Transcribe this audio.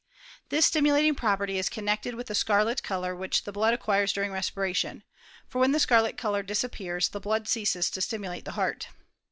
This stimu lating property is connected with the scarlet colour which tlie blood acquires during respiration ; for wben the scarlet colour disappears the blood ceases to stimulate the heart.